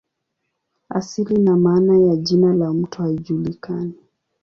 Asili na maana ya jina la mto haijulikani.